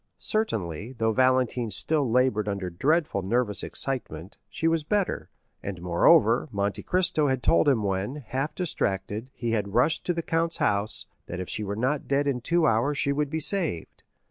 Certainly, though Valentine still labored under dreadful nervous excitement, she was better; and moreover, Monte Cristo had told him when, half distracted, he had rushed to the count's house, that if she were not dead in two hours she would be saved.